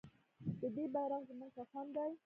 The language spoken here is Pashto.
د دې بیرغ زموږ کفن دی